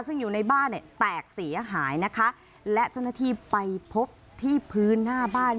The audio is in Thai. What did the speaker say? ซึ่งอยู่ในบ้านเนี่ยแตกเสียหายนะคะและเจ้าหน้าที่ไปพบที่พื้นหน้าบ้าน